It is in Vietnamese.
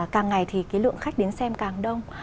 càng ngày thì cái lượng khách đến xem càng đông